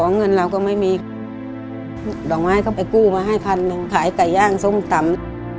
เงินเราก็ไม่มีดอกไม้ก็ไปกู้มาให้พันหนึ่งขายไก่ย่างส้มตำ